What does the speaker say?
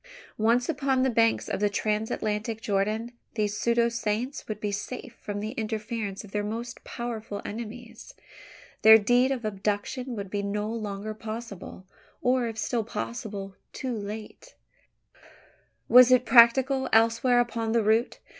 Once upon the banks of the Transatlantic Jordan, these pseudo saints would be safe from the interference of their most powerful enemies. There the deed of abduction would be no longer possible; or, if still possible, too late. Was it practicable elsewhere upon the route?